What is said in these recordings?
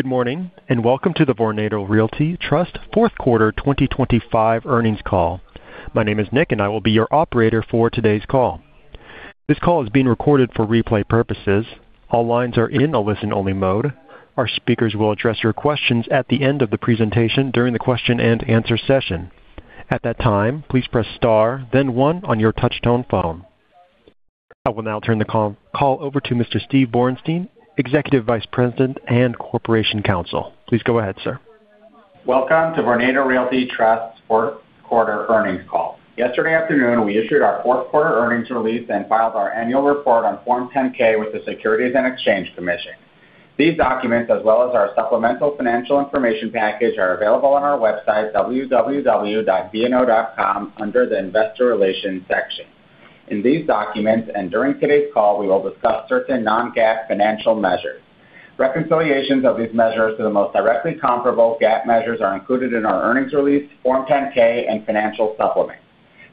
Good morning, and welcome to the Vornado Realty Trust fourth quarter 2025 earnings call. My name is Nick, and I will be your operator for today's call. This call is being recorded for replay purposes. All lines are in a listen-only mode. Our speakers will address your questions at the end of the presentation during the question-and-answer session. At that time, please press star, then one on your touchtone phone. I will now turn the call over to Mr. Steve Borenstein, Executive Vice President and Corporation Counsel. Please go ahead, sir. Welcome to Vornado Realty Trust fourth quarter earnings call. Yesterday afternoon, we issued our fourth quarter earnings release and filed our annual report on Form 10-K with the Securities and Exchange Commission. These documents, as well as our supplemental financial information package, are available on our website, www.VNO.com, under the Investor Relations section. In these documents, and during today's call, we will discuss certain non-GAAP financial measures. Reconciliations of these measures to the most directly comparable GAAP measures are included in our earnings release, Form 10-K, and financial supplements.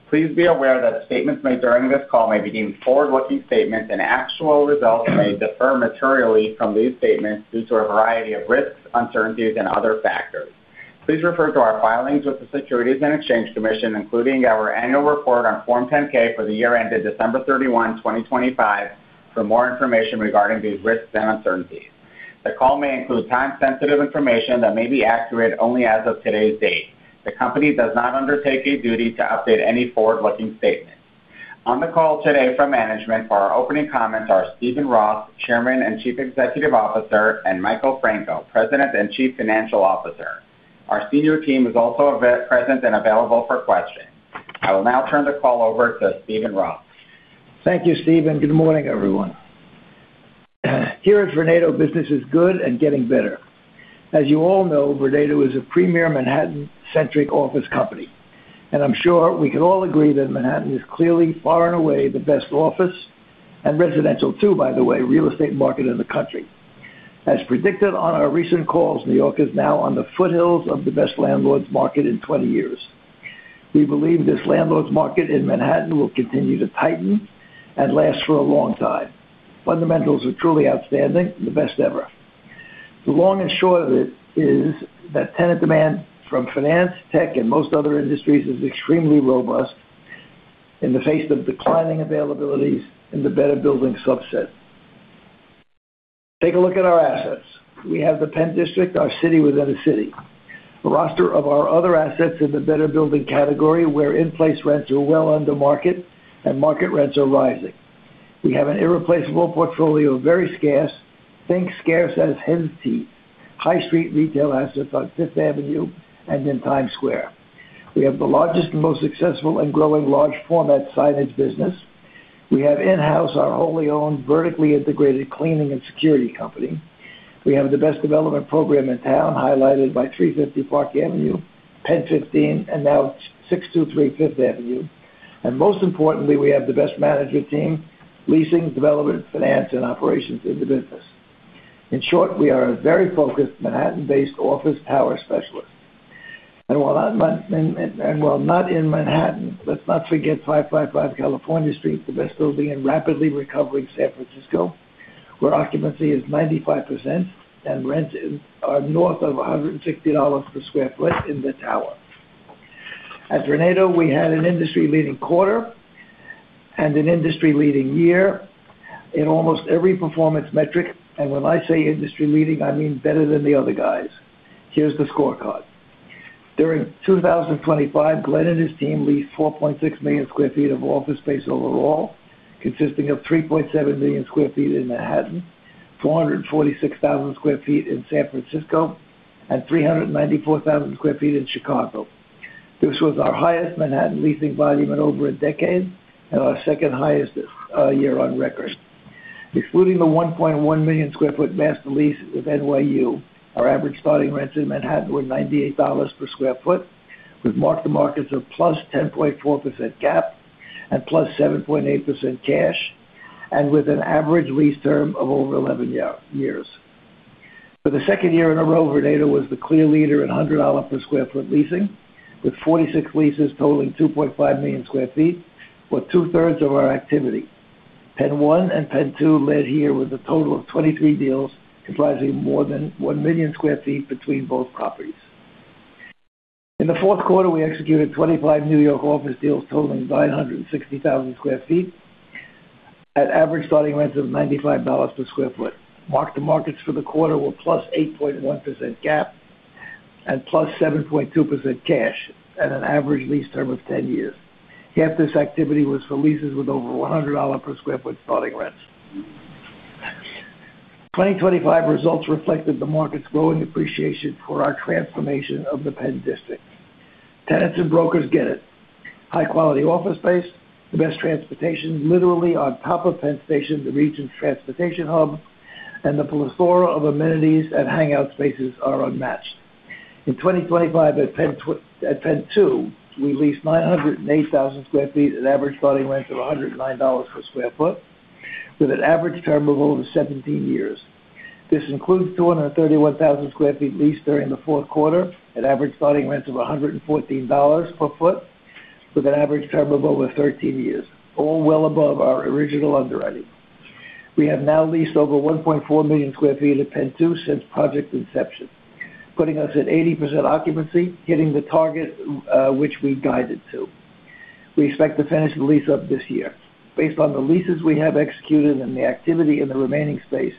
Please be aware that statements made during this call may be deemed forward-looking statements, and actual results may differ materially from these statements due to a variety of risks, uncertainties, and other factors. Please refer to our filings with the Securities and Exchange Commission, including our annual report on Form 10-K for the year ended December 31, 2025, for more information regarding these risks and uncertainties. The call may include time-sensitive information that may be accurate only as of today's date. The company does not undertake a duty to update any forward-looking statements. On the call today from management for our opening comments are Steven Roth, Chairman and Chief Executive Officer, and Michael Franco, President and Chief Financial Officer. Our senior team is also present and available for questions. I will now turn the call over to Steven Roth. Thank you, Steven. Good morning, everyone. Here at Vornado, business is good and getting better. As you all know, Vornado is a premier Manhattan-centric office company, and I'm sure we can all agree that Manhattan is clearly far and away the best office and residential, too, by the way, real estate market in the country. As predicted on our recent calls, New York is now on the foothills of the best landlord's market in 20 years. We believe this landlord's market in Manhattan will continue to tighten and last for a long time. Fundamentals are truly outstanding, the best ever. The long and short of it is that tenant demand from finance, tech, and most other industries is extremely robust in the face of declining availabilities in the better building subset. Take a look at our assets. We have THE PENN DISTRICT, our city within a city. The roster of our other assets in the better building category, where in-place rents are well under market and market rents are rising. We have an irreplaceable portfolio of very scarce, think scarce as hen's teeth, high street retail assets on 5th Avenue and in Times Square. We have the largest and most successful and growing large format signage business. We have in-house, our wholly owned, vertically integrated cleaning and security company. We have the best development program in town, highlighted by 350 Park Avenue, PENN 15, and now 623 5th Avenue. And most importantly, we have the best management team, leasing, development, finance, and operations in the business. In short, we are a very focused Manhattan-based office tower specialist. And while not in Manhattan, let's not forget 555 California Street, the best building in rapidly recovering San Francisco, where occupancy is 95% and rents are north of $160 per sq ft in the tower. At Vornado, we had an industry-leading quarter and an industry-leading year in almost every performance metric, and when I say industry-leading, I mean better than the other guys. Here's the scorecard. During 2025, Glen and his team leased 4.6 million sq ft of office space overall, consisting of 3.7 million sq ft in Manhattan, 446,000 sq ft in San Francisco, and 394,000 sq ft in Chicago. This was our highest Manhattan leasing volume in over a decade and our second highest year on record. Excluding the 1.1 million sq ft master lease with NYU, our average starting rents in Manhattan were $98 per sq ft, with mark-to-markets of +10.4% GAAP and +7.8% cash, and with an average lease term of over 11 years. For the second year in a row, Vornado was the clear leader in $100 per sq ft leasing, with 46 leases totaling 2.5 million sq ft, or two-thirds of our activity. PENN 1 and PENN 2 led here with a total of 23 deals, comprising more than 1 million sq ft between both properties. In the fourth quarter, we executed 25 New York office deals totaling 960,000 sq ft at average starting rents of $95 per sq ft. Mark-to-market for the quarter were +8.1% GAAP and +7.2% cash at an average lease term of 10 years. Half this activity was for leases with over $100 per sq ft starting rents. 2025 results reflected the market's growing appreciation for our transformation of THE PENN DISTRICT. Tenants and brokers get it. High quality office space, the best transportation literally on top of PENN Station, the region's transportation hub, and the plethora of amenities and hangout spaces are unmatched. In 2025, at PENN 2, we leased 908,000 sq ft at an average starting rent of $109 per sq ft, with an average term of over 17 years. This includes 231,000 sq ft leased during the fourth quarter at average starting rents of $114 per sq ft. With an average term of over 13 years, all well above our original underwriting. We have now leased over 1.4 million sq ft of PENN 2 since project inception, putting us at 80% occupancy, hitting the target, which we guided to. We expect to finish the lease up this year. Based on the leases we have executed and the activity in the remaining space,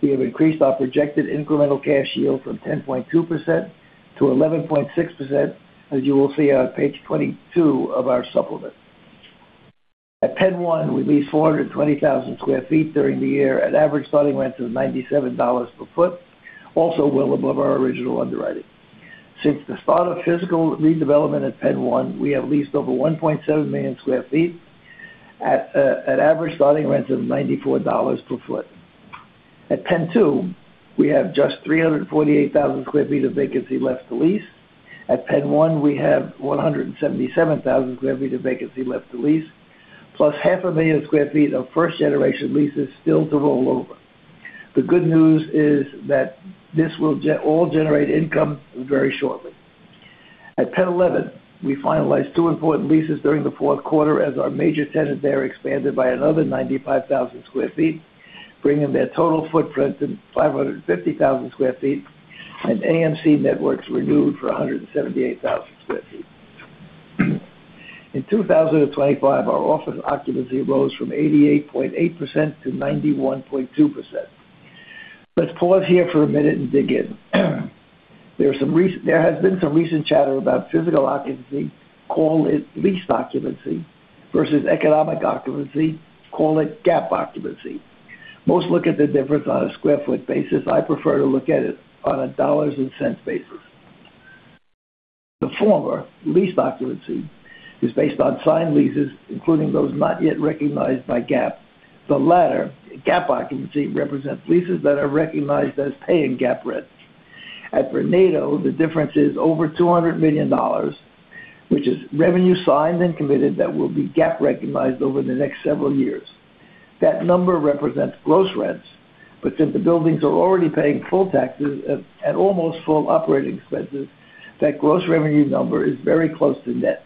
we have increased our projected incremental cash yield from 10.2%-11.6%, as you will see on page 22 of our supplement. At PENN 1, we leased 420,000 sq ft during the year at average starting rent of $97 per sq ft, also well above our original underwriting. Since the start of physical redevelopment at PENN 1, we have leased over 1.7 million sq ft at average starting rents of $94 per sq ft. At PENN 2, we have just 348,000 sq ft of vacancy left to lease. At PENN 1, we have 177,000 sq ft of vacancy left to lease, plus 500,000 sq ft of first generation leases still to roll over. The good news is that this will generate income very shortly. At PENN 11, we finalized two important leases during the fourth quarter as our major tenant there expanded by another 95,000 sq ft, bringing their total footprint to 550,000 sq ft, and AMC Networks renewed for 178,000 sq ft. In 2025, our office occupancy rose from 88.8%-91.2%. Let's pause here for a minute and dig in. There has been some recent chatter about physical occupancy, call it leased occupancy, versus economic occupancy, call it GAAP occupancy. Most look at the difference on a square foot basis. I prefer to look at it on a dollars and cents basis. The former, leased occupancy, is based on signed leases, including those not yet recognized by GAAP. The latter, GAAP occupancy, represents leases that are recognized as paying GAAP rent. At Vornado, the difference is over $200 million, which is revenue signed and committed that will be GAAP recognized over the next several years. That number represents gross rents, but since the buildings are already paying full taxes at almost full operating expenses, that gross revenue number is very close to net.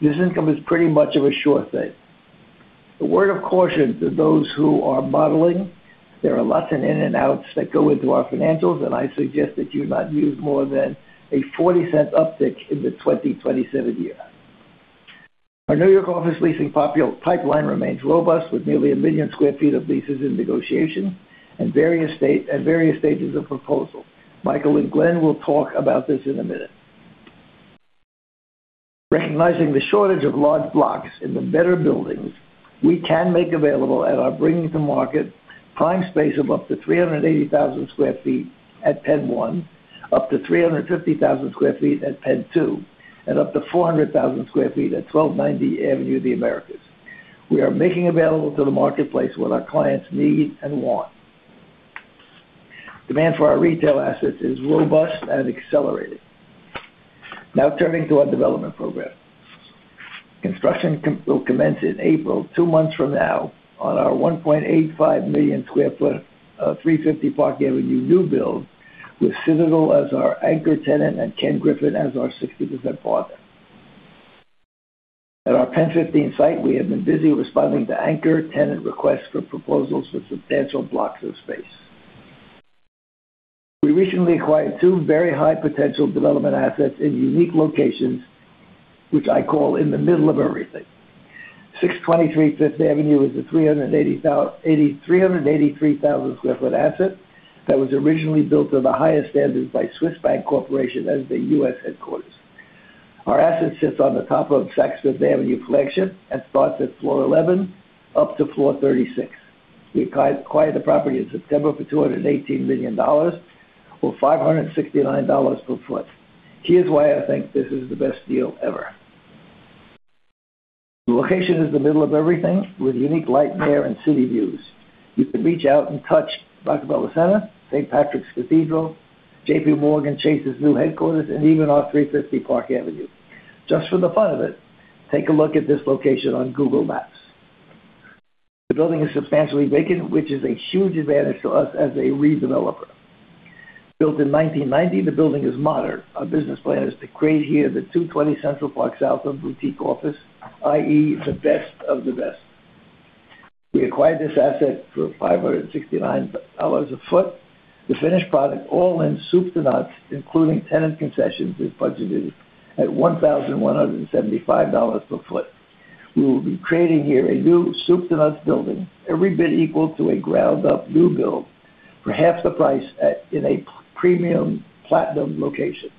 This income is pretty much of a sure thing. A word of caution to those who are modeling, there are lots of in and outs that go into our financials, and I suggest that you not use more than a $0.40 uptick in the 2027 year. Our New York office leasing pipeline remains robust, with nearly 1 million sq ft of leases in negotiation and various states at various stages of proposal. Michael and Glen will talk about this in a minute. Recognizing the shortage of large blocks in the better buildings, we can make available at our bringing to market prime space of up to 380,000 sq ft at PENN 1, up to 350,000 sq ft at PENN 2, and up to 400,000 sq ft at 1290 Avenue of the Americas. We are making available to the marketplace what our clients need and want. Demand for our retail assets is robust and accelerating. Now turning to our development program. Construction will commence in April, two months from now, on our 1.85 million sq ft 350 Park Avenue new build, with Citadel as our anchor tenant and Ken Griffin as our 60% partner. At our PENN 15 site, we have been busy responding to anchor tenant requests for proposals for substantial blocks of space. We recently acquired two very high potential development assets in unique locations, which I call in the middle of everything. 623 5th Avenue is a 383,000 sq ft asset that was originally built to the highest standards by Swiss Bank Corporation as the U.S. headquarters. Our asset sits on the top of Saks 5th Avenue and starts at floor 11 up to floor 36. We acquired the property in September for $218 million or $569 per foot. Here's why I think this is the best deal ever. The location is the middle of everything, with unique light, air, and city views. You can reach out and touch Rockefeller Center, St. Patrick's Cathedral, JPMorgan Chase's new headquarters, and even our 350 Park Avenue. Just for the fun of it, take a look at this location on Google Maps. The building is substantially vacant, which is a huge advantage to us as a redeveloper. Built in 1990, the building is modern. Our business plan is to create here the 220 Central Park South of boutique office, i.e., the best of the best. We acquired this asset for $569 a foot. The finished product, all in soup to nuts, including tenant concessions, is budgeted at $1,175 per foot. We will be creating here a new soup to nuts building, every bit equal to a ground-up new build for half the price in a premium platinum location.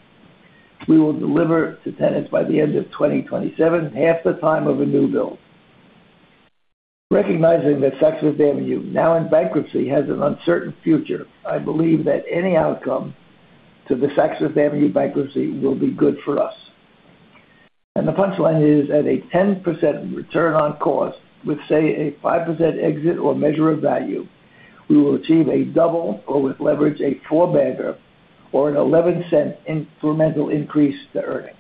We will deliver to tenants by the end of 2027, half the time of a new build. Recognizing that Saks 5th Avenue, now in bankruptcy, has an uncertain future, I believe that any outcome to the Saks 5th Avenue bankruptcy will be good for us. And the punchline is, at a 10% return on cost with, say, a 5% exit or measure of value, we will achieve a double or with leverage, a four-bagger or an $0.11 incremental increase to earnings.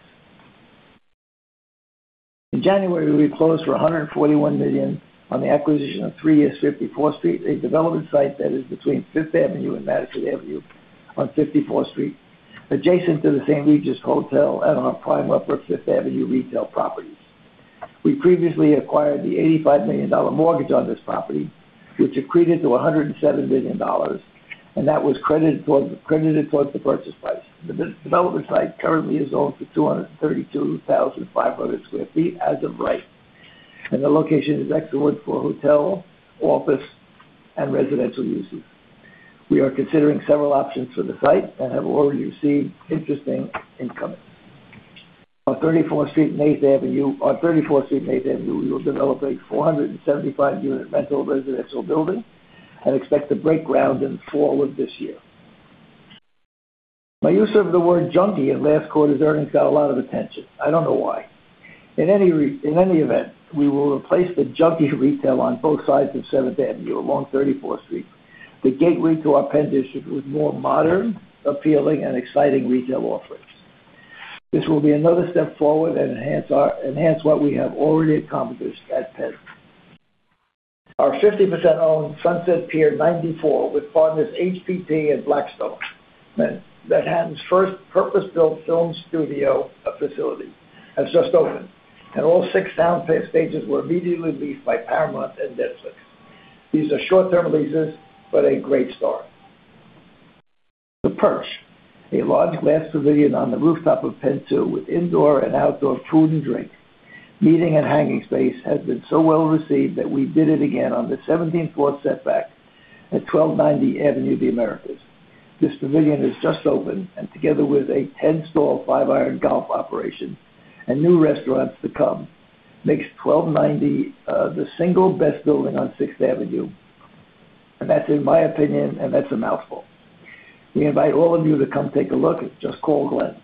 In January, we closed for $141 million on the acquisition of 3 East 54th Street, a development site that is between 5th Avenue and Madison Avenue on 54th Street, adjacent to the St. Regis Hotel and our prime Upper 5th Avenue retail properties. We previously acquired the $85 million mortgage on this property, which accreted to $107 million, and that was credited towards the purchase price. The development site currently is owned for 232,500 sq ft as of right, and the location is excellent for hotel, office, and residential uses. We are considering several options for the site and have already received interesting incoming. On 34th Street and 8th Avenue, we will develop a 475-unit rental residential building and expect to break ground in the fall of this year. My use of the word junky in last quarter's earnings got a lot of attention. I don't know why. In any event, we will replace the junky retail on both sides of 7th Avenue along 34th Street, the gateway to our PENN DISTRICT, with more modern, appealing, and exciting retail offerings. This will be another step forward and enhance what we have already accomplished at PENN. Our 50% owned Sunset Pier 94, with partners HPT and Blackstone, Manhattan's first purpose-built film studio facility, has just opened, and all six sound stages were immediately leased by Paramount and Netflix. These are short-term leases, but a great start. The Perch, a large glass pavilion on the rooftop of PENN 2, with indoor and outdoor food and drink, meeting and hanging space, has been so well received that we did it again on the 17th floor setback at 1290 Avenue of the Americas. This pavilion has just opened, and together with a 10-store Five Iron Golf operation and new restaurants to come, makes 1290, the single best building on Sixth Avenue, and that's in my opinion, and that's a mouthful. We invite all of you to come take a look, and just call Glen.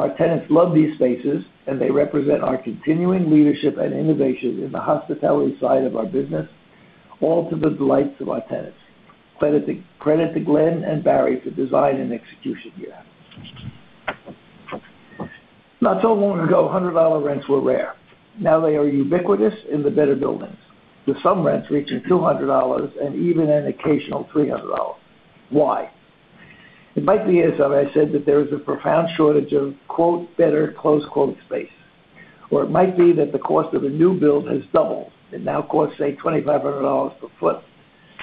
Our tenants love these spaces, and they represent our continuing leadership and innovation in the hospitality side of our business, all to the delights of our tenants. Credit to, credit to Glen and Barry for design and execution here. Not so long ago, $100 rents were rare. Now they are ubiquitous in the better buildings, with some rents reaching $200 and even an occasional $300. Why? It might be, as I said, that there is a profound shortage of, "better," space. Or it might be that the cost of a new build has doubled and now costs, say, $2,500 per foot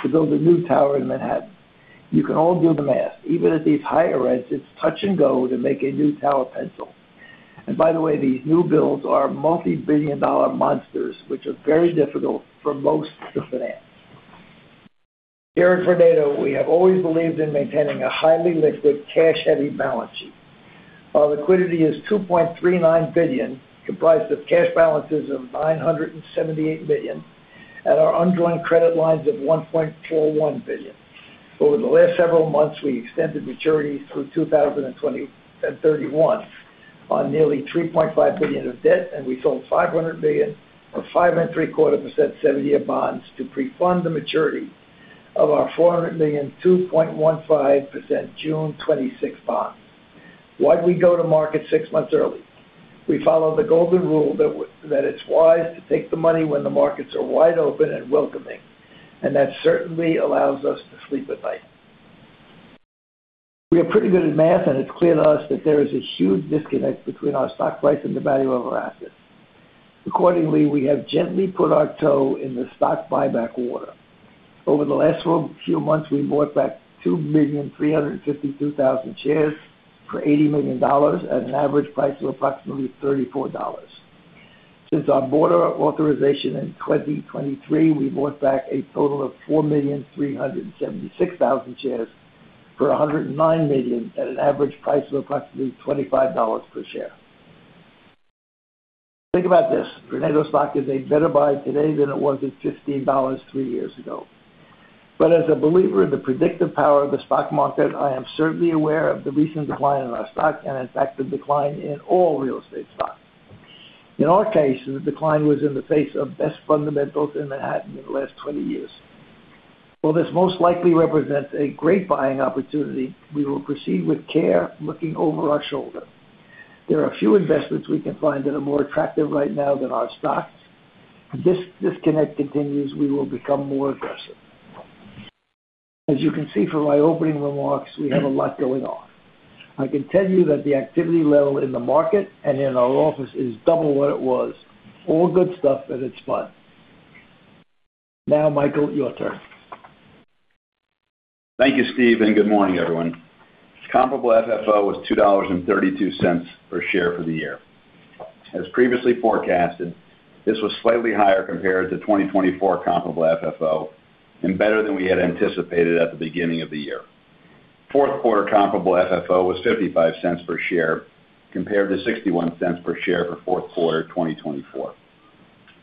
to build a new tower in Manhattan. You can all do the math. Even at these higher rents, it's touch and go to make a new tower pencil. And by the way, these new builds are multi-billion dollar monsters, which are very difficult for most to finance. Here at Vornado, we have always believed in maintaining a highly liquid, cash-heavy balance sheet. Our liquidity is $2.39 billion, comprised of cash balances of $978 million, and our undrawn credit lines of $1.41 billion. Over the last several months, we extended maturities through 2031 on nearly $3.5 billion of debt, and we sold $500 million 5.75% seven-year bonds to pre-fund the maturity of our $400 million, 2.15% June 2026 bonds. Why'd we go to market 6 months early? We followed the golden rule that that it's wise to take the money when the markets are wide open and welcoming, and that certainly allows us to sleep at night. We are pretty good at math, and it's clear to us that there is a huge disconnect between our stock price and the value of our assets. Accordingly, we have gently put our toe in the stock buyback water. Over the last few months, we bought back 2,352,000 shares for $80 million at an average price of approximately $34. Since our board authorization in 2023, we bought back a total of 4,376,000 shares for $109 million at an average price of approximately $25 per share. Think about this, Vornado's stock is a better buy today than it was at $15 three years ago. But as a believer in the predictive power of the stock market, I am certainly aware of the recent decline in our stock and, in fact, the decline in all real estate stocks. In our case, the decline was in the face of best fundamentals in Manhattan in the last 20 years. While this most likely represents a great buying opportunity, we will proceed with care, looking over our shoulder. There are a few investments we can find that are more attractive right now than our stocks. If this disconnect continues, we will become more aggressive. As you can see from my opening remarks, we have a lot going on. I can tell you that the activity level in the market and in our office is double what it was. All good stuff, and it's fun. Now, Michael, your turn. Thank you, Steve, and good morning, everyone. Comparable FFO was $2.32 per share for the year. As previously forecasted, this was slightly higher compared to 2024 comparable FFO and better than we had anticipated at the beginning of the year. Fourth quarter comparable FFO was $0.55 per share, compared to $0.61 per share for fourth quarter of 2024.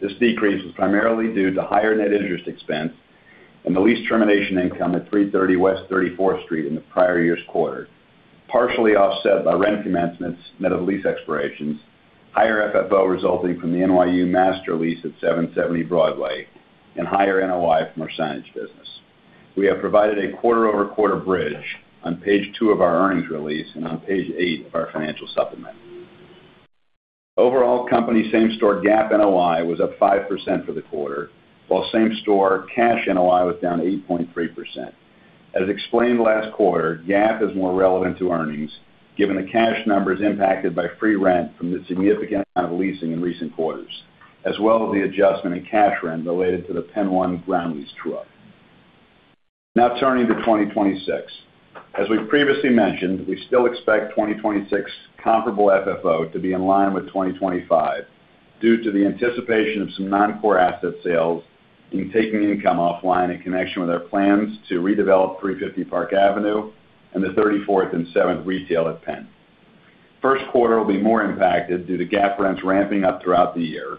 This decrease was primarily due to higher net interest expense and the lease termination income at 330 West 34th Street in the prior year's quarter, partially offset by rent commencements, net of lease expirations, higher FFO resulting from the NYU master lease at 770 Broadway, and higher NOI from our signage business. We have provided a quarter-over-quarter bridge on page two of our earnings release and on page eight of our financial supplement. Overall, company same-store GAAP NOI was up 5% for the quarter, while same-store cash NOI was down 8.3%. As explained last quarter, GAAP is more relevant to earnings, given the cash number is impacted by free rent from the significant amount of leasing in recent quarters, as well as the adjustment in cash rent related to THE PENN 1 ground lease true-up. Now turning to 2026. As we've previously mentioned, we still expect 2026 comparable FFO to be in line with 2025, due to the anticipation of some non-core asset sales and taking income offline in connection with our plans to redevelop 350 Park Avenue and the 34th and 7th retail at PENN. First quarter will be more impacted due to GAAP rents ramping up throughout the year,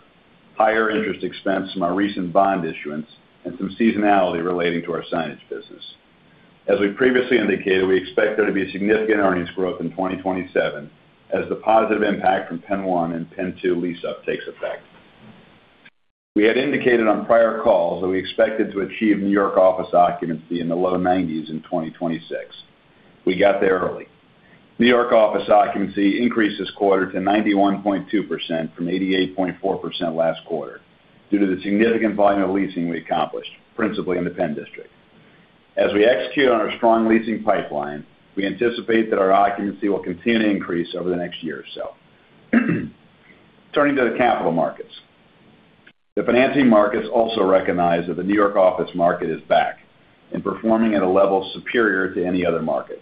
higher interest expense from our recent bond issuance, and some seasonality relating to our signage business. As we previously indicated, we expect there to be significant earnings growth in 2027 as the positive impact from PENN 1 and PENN 2 lease-up takes effect. We had indicated on prior calls that we expected to achieve New York office occupancy in the low 90s in 2026. We got there early. New York office occupancy increased this quarter to 91.2% from 88.4% last quarter, due to the significant volume of leasing we accomplished, principally in THE PENN DISTRICT. As we execute on our strong leasing pipeline, we anticipate that our occupancy will continue to increase over the next year or so. Turning to the capital markets. The financing markets also recognize that the New York office market is back and performing at a level superior to any other market.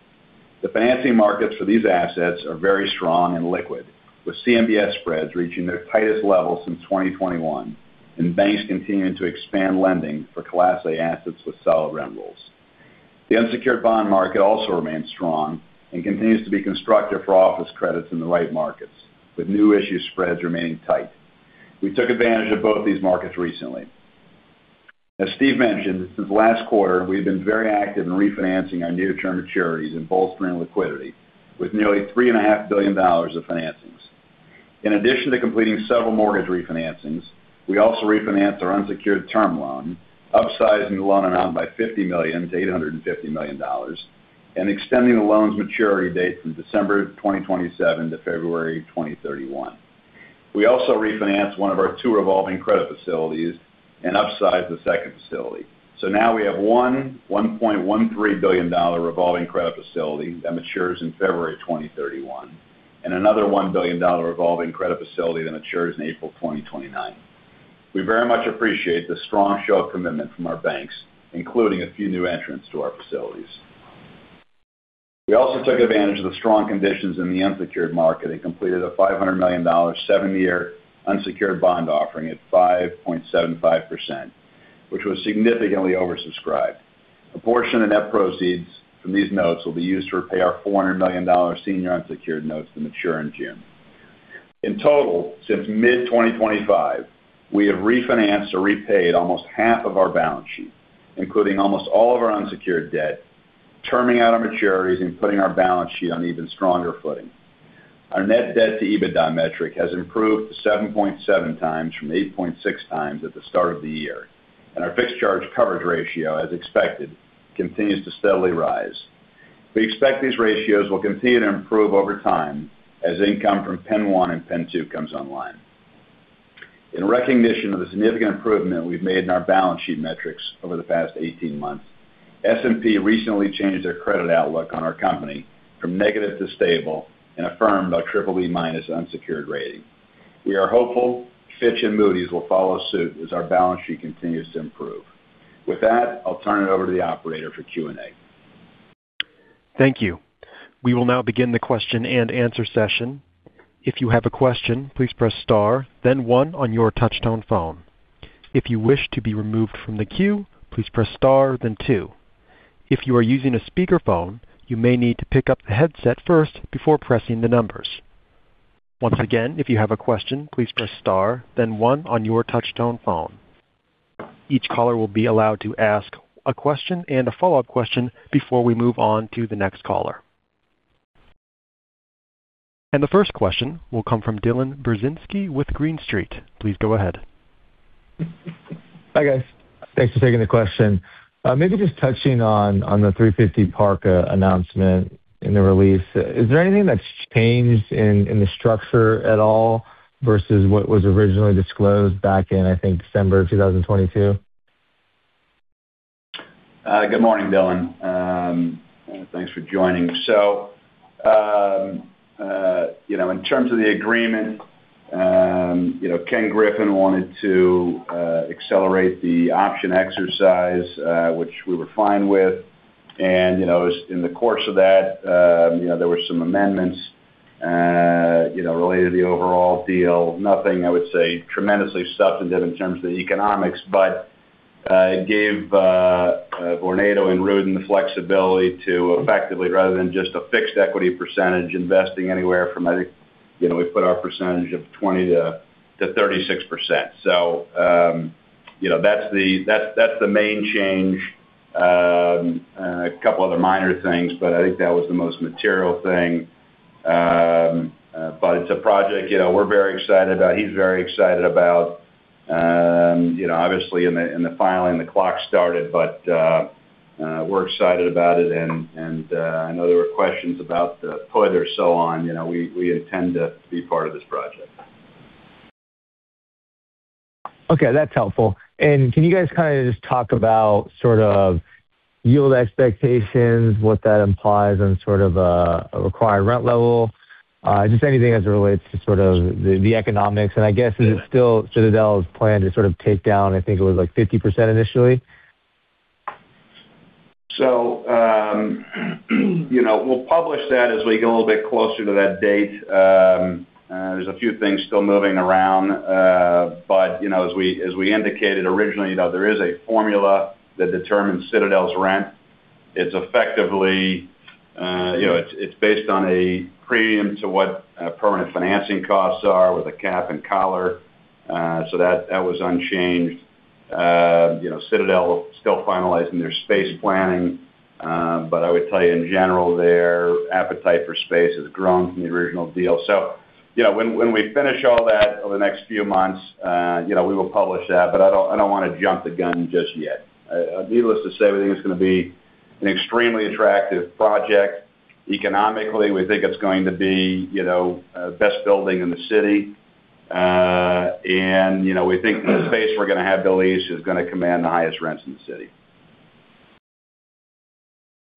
The financing markets for these assets are very strong and liquid, with CMBS spreads reaching their tightest level since 2021, and banks continuing to expand lending for Class A assets with solid rent rolls. The unsecured bond market also remains strong and continues to be constructive for office credits in the right markets, with new issue spreads remaining tight. We took advantage of both these markets recently. As Steve mentioned, since last quarter, we've been very active in refinancing our near-term maturities and bolstering liquidity, with nearly $3.5 billion of financings. In addition to completing several mortgage refinancings, we also refinanced our unsecured term loan, upsizing the loan amount by $50 million-$850 million, and extending the loan's maturity date from December 2027 to February 2031. We also refinanced one of our two revolving credit facilities and upsized the second facility. So now we have one $1.13 billion revolving credit facility that matures in February 2031, and another $1 billion revolving credit facility that matures in April 2029. We very much appreciate the strong show of commitment from our banks, including a few new entrants to our facilities. We also took advantage of the strong conditions in the unsecured market and completed a $500 million seven-year unsecured bond offering at 5.75%, which was significantly oversubscribed. A portion of net proceeds from these notes will be used to repay our $400 million senior unsecured notes to mature in June. In total, since mid-2025, we have refinanced or repaid almost half of our balance sheet, including almost all of our unsecured debt, terming out our maturities and putting our balance sheet on even stronger footing. Our net debt to EBITDA metric has improved to 7.7x from 8.6x at the start of the year, and our fixed charge coverage ratio, as expected, continues to steadily rise. We expect these ratios will continue to improve over time as income from PENN 1 and PENN 2 comes online. In recognition of the significant improvement we've made in our balance sheet metrics over the past 18 months, S&P recently changed their credit outlook on our company from negative to stable and affirmed our Triple B- unsecured rating. We are hopeful Fitch and Moody's will follow suit as our balance sheet continues to improve. With that, I'll turn it over to the operator for Q&A. Thank you. We will now begin the question-and-answer session. If you have a question, please press star, then one on your touchtone phone. If you wish to be removed from the queue, please press star, then two. If you are using a speakerphone, you may need to pick up the headset first before pressing the numbers. Once again, if you have a question, please press star, then one on your touchtone phone. Each caller will be allowed to ask a question and a follow-up question before we move on to the next caller. The first question will come from Dylan Burzinski with Green Street. Please go ahead. Hi, guys. Thanks for taking the question. Maybe just touching on, on the 350 Park, announcement in the release. Is there anything that's changed in, in the structure at all versus what was originally disclosed back in, I think, December of 2022? Good morning, Dylan. Thanks for joining. So, you know, in terms of the agreement, you know, Ken Griffin wanted to accelerate the option exercise, which we were fine with. You know, as in the course of that, you know, there were some amendments, you know, related to the overall deal. Nothing, I would say, tremendously substantive in terms of the economics, but it gave Vornado and Rudin the flexibility to effectively, rather than just a fixed equity percentage, investing anywhere from, I think, you know, we put our percentage of 20% to 36%. So, you know, that's the, that, that's the main change, and a couple other minor things, but I think that was the most material thing. But it's a project, you know, we're very excited about, he's very excited about. You know, obviously, in the filing, the clock started, but we're excited about it, and I know there were questions about the put or so on. You know, we intend to be part of this project. Okay, that's helpful. And can you guys kind of just talk about sort of yield expectations, what that implies, and sort of, a required rent level? Just anything as it relates to sort of the economics. And I guess, is it still Citadel's plan to sort of take down, I think it was like 50% initially? So, you know, we'll publish that as we get a little bit closer to that date. There's a few things still moving around, but, you know, as we indicated originally, you know, there is a formula that determines Citadel's rent. It's effectively, you know, it's based on a premium to what permanent financing costs are with a cap and collar, so that was unchanged. You know, Citadel is still finalizing their space planning, but I would tell you, in general, their appetite for space has grown from the original deal. So, you know, when we finish all that over the next few months, you know, we will publish that, but I don't wanna jump the gun just yet. Needless to say, we think it's gonna be an extremely attractive project. Economically, we think it's going to be, you know, best building in the city. You know, we think the space we're gonna have to lease is gonna command the highest rents in the city.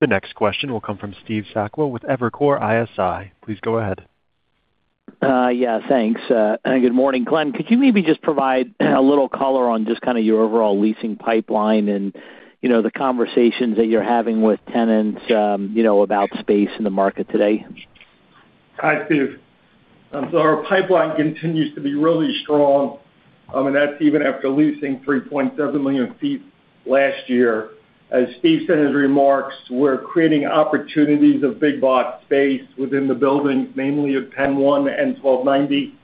The next question will come from Steve Sakwa with Evercore ISI. Please go ahead. Yeah, thanks. Good morning, Glen. Could you maybe just provide a little color on just kind of your overall leasing pipeline and, you know, the conversations that you're having with tenants, you know, about space in the market today? Hi, Steve. So our pipeline continues to be really strong, and that's even after leasing 3.7 million sq ft last year. As Steve said in his remarks, we're creating opportunities of big box space within the building, mainly at PENN 1 and 1290,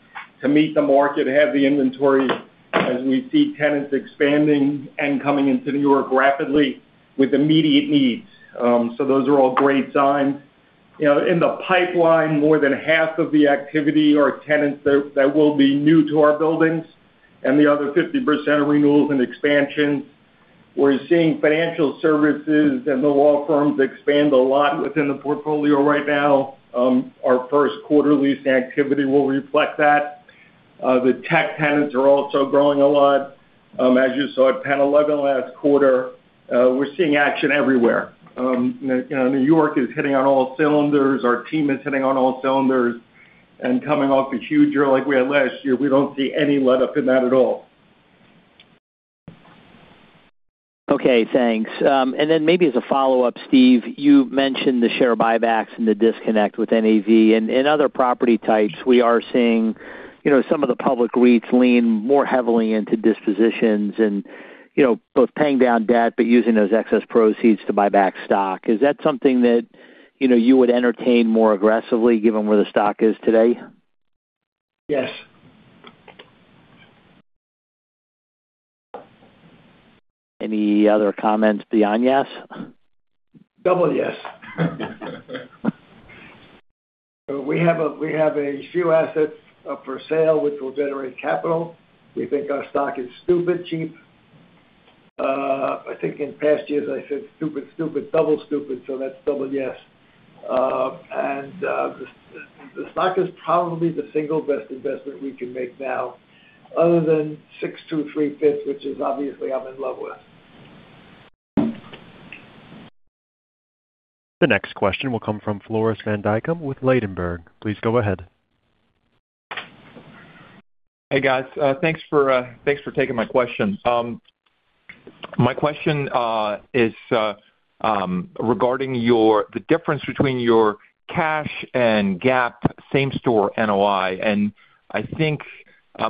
to meet the market, have the inventory, as we see tenants expanding and coming into New York rapidly with immediate needs. So those are all great signs. You know, in the pipeline, more than half of the activity are tenants that will be new to our buildings, and the other 50% are renewals and expansions. We're seeing financial services and the law firms expand a lot within the portfolio right now. Our first quarter lease activity will reflect that. The tech tenants are also growing a lot. As you saw at PENN 11 last quarter, we're seeing action everywhere. You know, New York is hitting on all cylinders. Our team is hitting on all cylinders. And coming off a huge year like we had last year, we don't see any letup in that at all. Okay, thanks. And then maybe as a follow-up, Steve, you mentioned the share buybacks and the disconnect with NAV. In other property types, we are seeing, you know, some of the public leads lean more heavily into dispositions and, you know, both paying down debt, but using those excess proceeds to buy back stock. Is that something that, you know, you would entertain more aggressively, given where the stock is today? Yes. Any other comments beyond yes? Double yes. We have a, we have a few assets for sale, which will generate capital. We think our stock is stupid cheap. I think in past years, I said, "Stupid, stupid, double stupid," so that's double yes. And the stock is probably the single best investment we can make now, other than 623 5th, which is obviously I'm in love with. The next question will come from Floris van Dijkum with Ladenburg. Please go ahead. Hey, guys. Thanks for taking my question. My question is regarding the difference between your cash and GAAP same-store NOI. And I think,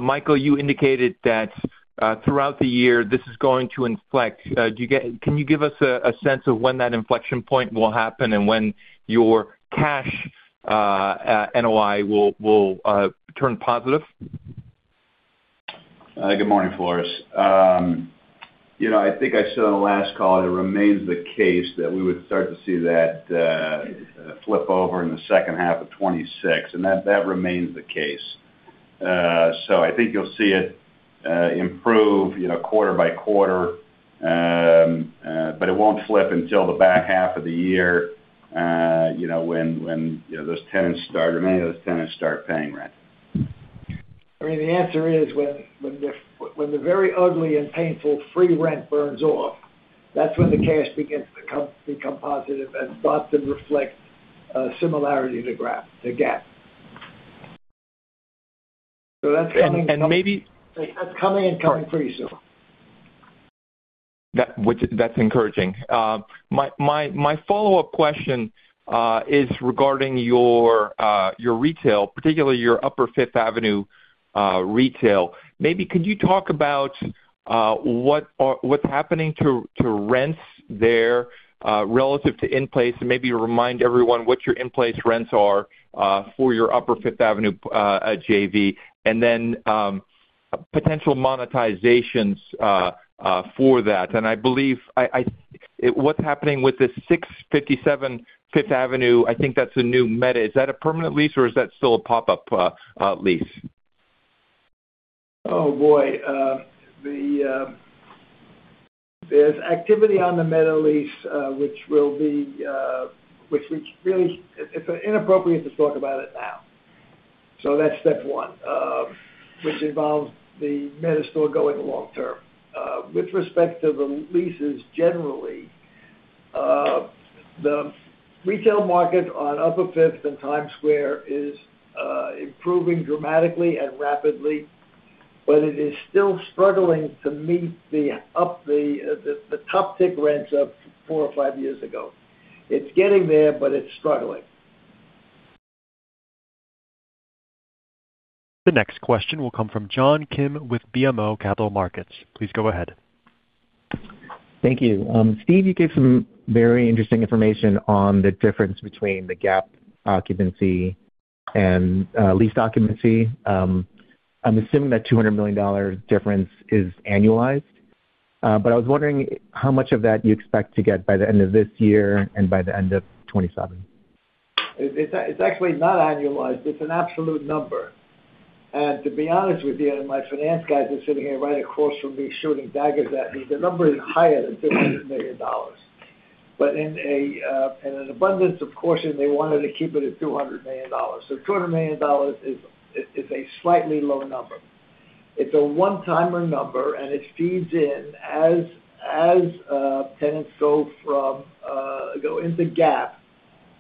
Michael, you indicated that throughout the year, this is going to inflect. Can you give us a sense of when that inflection point will happen, and when your cash NOI will turn positive? Good morning, Floris. You know, I think I said on the last call, it remains the case that we would start to see that flip over in the second half of 2026, and that remains the case. So I think you'll see it improve, you know, quarter by quarter, but it won't flip until the back half of the year, you know, when those tenants start, or many of those tenants start paying rent. I mean, the answer is when the very ugly and painful free rent burns off, that's when the cash begins to become positive and starts to reflect similarity to GAAP. So that's- And maybe- That's coming and coming pretty soon. Which, that's encouraging. My follow-up question is regarding your retail, particularly your Upper 5th Avenue retail. Maybe could you talk about what are... what's happening to rents there relative to in-place? And maybe remind everyone what your in-place rents are for your Upper 5th Avenue JV, and then potential monetizations for that. And I believe, What's happening with the 657 5th Avenue, I think that's a new Meta. Is that a permanent lease, or is that still a pop-up lease? Oh, boy! There's activity on the Meadow lease, which really, it's inappropriate to talk about it now. So that's step one, which involves the Meadow store going long term. With respect to the leases, generally, the retail market on Upper 5th and Times Square is improving dramatically and rapidly, but it is still struggling to meet the top-tick rents of four or five years ago. It's getting there, but it's struggling. The next question will come from John Kim with BMO Capital Markets. Please go ahead. Thank you. Steve, you gave some very interesting information on the difference between the GAAP occupancy and leased occupancy. I'm assuming that $200 million difference is annualized. But I was wondering how much of that you expect to get by the end of this year and by the end of 2027. It's actually not annualized. It's an absolute number. And to be honest with you, and my finance guys are sitting here right across from me, shooting daggers at me, the number is higher than $200 million. But in an abundance of caution, they wanted to keep it at $200 million. So $200 million is a slightly lower number. It's a one-timer number, and it feeds in as tenants go into GAAP,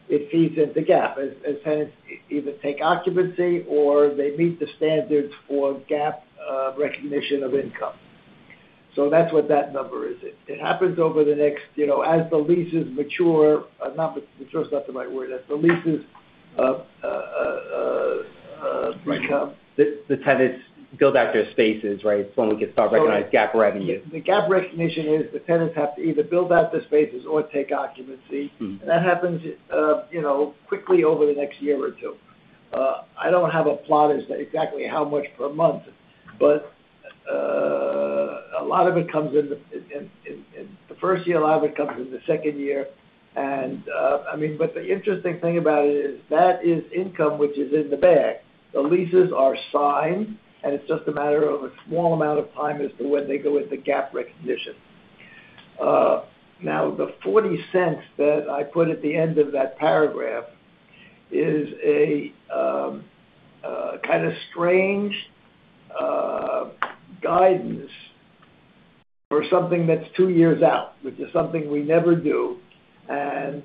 it feeds into GAAP. As tenants either take occupancy or they meet the standards for GAAP recognition of income. So that's what that number is. It happens over the next... You know, as the leases mature, not mature, it's not the right word. As the leases become- The tenants build out their spaces, right? So when we can start recognizing GAAP revenue. The GAAP recognition is the tenants have to either build out the spaces or take occupancy. Mm-hmm. That happens, you know, quickly over the next year or two. I don't have a plan as to exactly how much per month, but, a lot of it comes in the first year, a lot of it comes in the second year. And, I mean, but the interesting thing about it is that is income, which is in the bag. The leases are signed, and it's just a matter of a small amount of time as to when they go into GAAP recognition. Now, the $0.40 that I put at the end of that paragraph is a, kind of strange, guidance for something that's two years out, which is something we never do. And,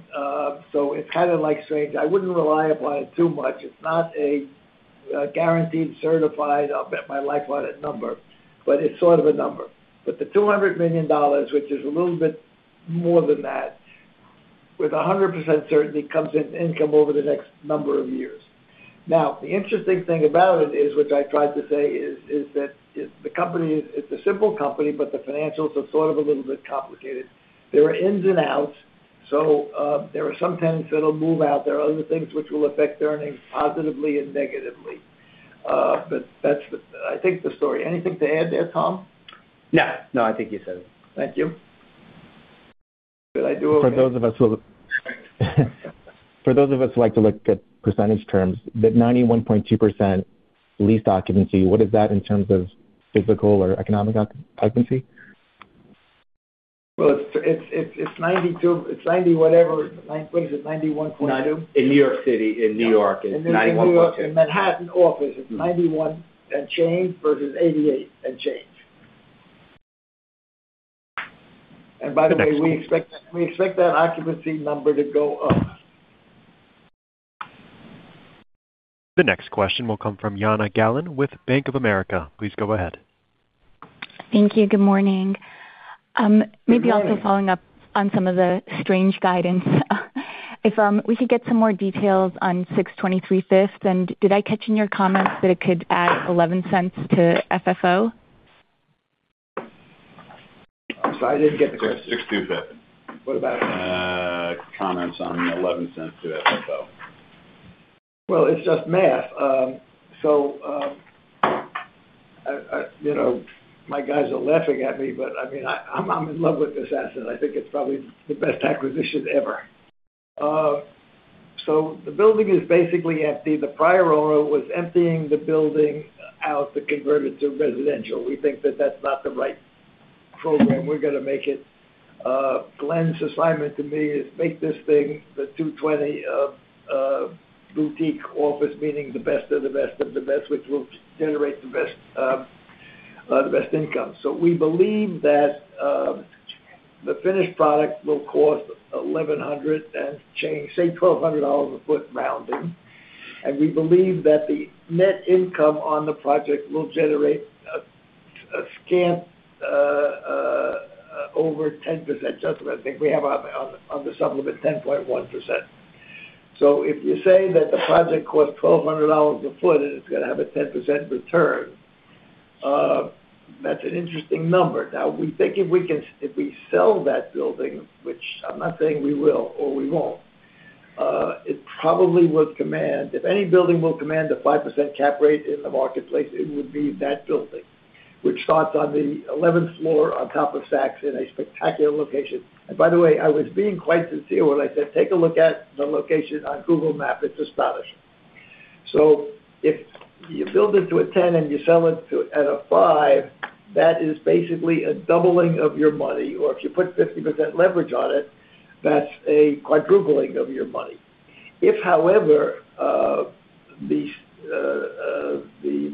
so it's kind of, like, strange. I wouldn't rely upon it too much. It's not a guaranteed, certified, I'll-bet-my-life-on-it number, but it's sort of a number. But the $200 million, which is a little bit more than that, with 100% certainty, comes in income over the next number of years. Now, the interesting thing about it is, which I tried to say is, that it's the company, it's a simple company, but the financials are sort of a little bit complicated. There are ins and outs, so there are some tenants that'll move out. There are other things which will affect earnings positively and negatively. But that's the, I think, the story. Anything to add there, Tom? No. No, I think you said it. Thank you. Did I do okay? For those of us who like to look at percentage terms, that 91.2% lease occupancy, what is that in terms of physical or economic occupancy? Well, it's 92%, it's ninety-whatever. Nine—what is it? 91.2%? In New York City, in New York, it's 91.2%. In Manhattan office, it's 91% and change, versus 88% and change. And by the way, we expect, we expect that occupancy number to go up. The next question will come from Jana Galan with Bank of America. Please go ahead. Thank you. Good morning. Maybe also following up on some of the strange guidance, if we could get some more details on 623 5th Avenue, and did I catch in your comments that it could add $0.11 to FFO? I'm sorry, I didn't get the question. 623 5th. What about? Comments on $0.11 to FFO. Well, it's just math. So, you know, my guys are laughing at me, but I mean, I'm in love with this asset. I think it's probably the best acquisition ever. So the building is basically empty. The prior owner was emptying the building out to convert it to residential. We think that that's not the right program. We're gonna make it... Glen's assignment to me is, make this thing the 220 of boutique office, meaning the best of the best of the best, which will generate the best, the best income. So we believe that, the finished product will cost $1,100 and change, say, $1,200 a foot, rounding. And we believe that the net income on the project will generate a scant over 10%. Just, I think we have on the, on the supplement, 10.1%. So if you say that the project costs $1,200 a foot, and it's gonna have a 10% return, that's an interesting number. Now, we think if we can—if we sell that building, which I'm not saying we will or we won't, it probably would command. If any building will command a 5% cap rate in the marketplace, it would be that building, which starts on the 11th floor on top of Saks, in a spectacular location. And by the way, I was being quite sincere when I said, take a look at the location on Google Maps. It's astonishing. So if you build it to a 10 and you sell it to at a 5, that is basically a doubling of your money, or if you put 50% leverage on it, that's a quadrupling of your money. If, however, the